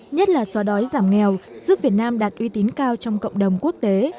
nhất là xóa đói giảm nghèo giúp việt nam đạt uy tín cao trong cộng đồng quốc tế